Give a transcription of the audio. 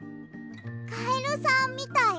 カエルさんみたい？